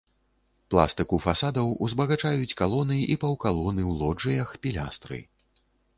Пластыку фасадаў узбагачаюць калоны і паўкалоны ў лоджыях, пілястры.